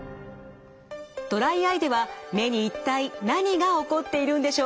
ドライアイでは目に一体何が起こっているんでしょうか？